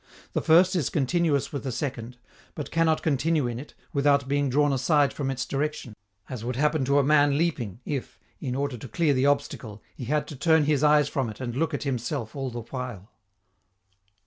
The first is continuous with the second, but cannot continue in it without being drawn aside from its direction, as would happen to a man leaping, if, in order to clear the obstacle, he had to turn his eyes from it and look at himself all the while.